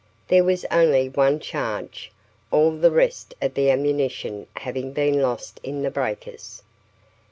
There was only one charge, all the rest of the ammunition having been lost in the breakers.